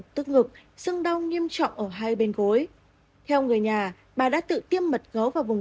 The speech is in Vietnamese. tức ngực sưng đau nghiêm trọng ở hai bên gối theo người nhà bà đã tự tiêm mật gấu vào vùng